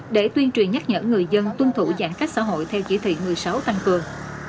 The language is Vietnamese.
để tuyên truyền nhắc nhở người dân tuân thủ giãn cách xã hội theo chỉ thị một mươi sáu tăng cường